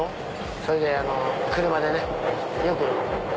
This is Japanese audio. それで車でよく。